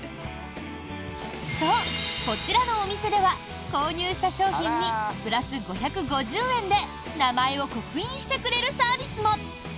そう、こちらのお店では購入した商品にプラス５５０円で名前を刻印してくれるサービスも！